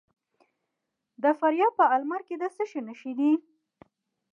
د فاریاب په المار کې د څه شي نښې دي؟